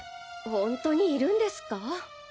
本当にいるんですか？